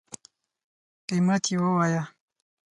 قیمت یی ووایه